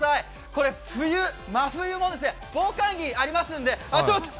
これ、真冬も防寒着、ありますんで。